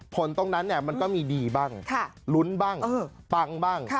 ผลตรงนั้นมันก็มีดีบ้างลุ้นบ้างปังบ้าง